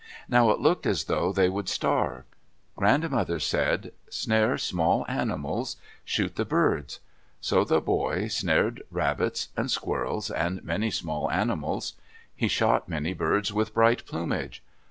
Now it looked as though they would starve. Grandmother said, "Snare small animals. Shoot the birds." So the boy snared rabbits and squirrels and many small animals. He shot many birds with bright plumage.